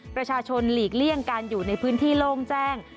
ประชาชนหลีกเลี่ยงการอยู่ในพื้นที่โล่งแจ้ง